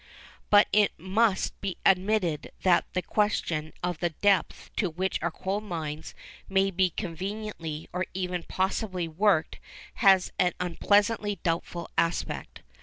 But it must be admitted that the question of the depth to which our coal mines may be conveniently or even possibly worked, has an unpleasantly doubtful aspect.